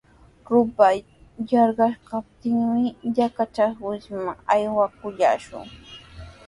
Rupay yarqaskamuptinmi yachaywasiman aywakullaashun.